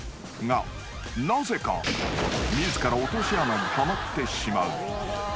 ［がなぜか自ら落とし穴にはまってしまう］